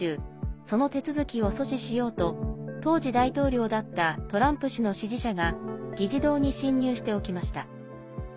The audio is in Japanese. その手続きを阻止しようと当時、大統領だったトランプ氏の支持者が議事堂に侵入して起きました。